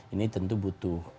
ini tentu butuh